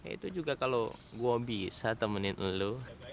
itu juga kalau gue bisa temenin lu